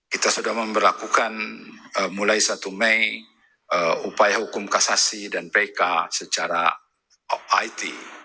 kita sudah memperlakukan mulai satu mei upaya hukum kasasi dan pk secara off it